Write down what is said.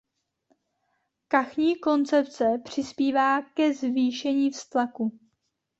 Kachní koncepce přispívá ke zvýšení vztlaku.